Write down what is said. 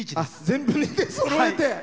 全部、２でそろえて。